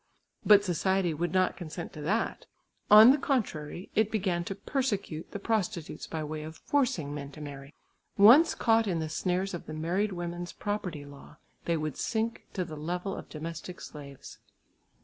But society would not consent to that. On the contrary it began to persecute the prostitutes by way of forcing men to marry. Once caught in the snares of the married women's property law, they would sink to the level of domestic slaves.